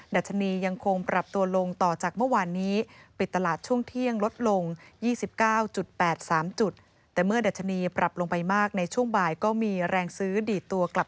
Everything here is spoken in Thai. ดัชนียังคงปรับตัวลงต่อจากเมื่อวานนี้